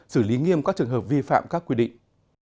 xử lý nghiêm các trường hợp vi phạm các quy định